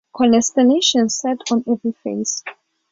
Consternation sat on every face.